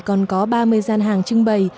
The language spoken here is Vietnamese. còn có ba mươi gian hàng trưng bày